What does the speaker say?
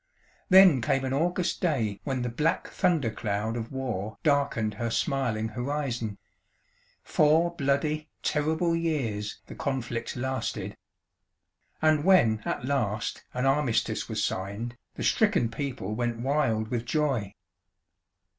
"Then came an August day when the black thunder cloud of war darkened her smiling horizon. Four bloody, terrible years the conflict lasted. And when at last an armistice was signed, the stricken people went wild with joy."